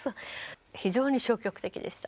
非常に消極的でした。